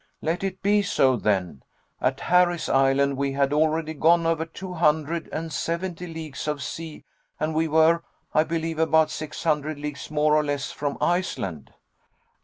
"Let it be so, then. At Harry's Island we had already gone over two hundred and seventy leagues of sea, and we were, I believe, about six hundred leagues, more or less, from Iceland."